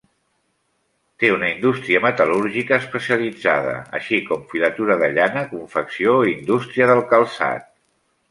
Té una indústria metal·lúrgica especialitzada, així com filatura de llana, confecció i indústria del calçat.